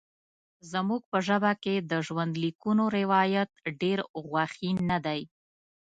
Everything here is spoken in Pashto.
زموږ په ژبه کې د ژوندلیکونو روایت ډېر غوښین نه دی.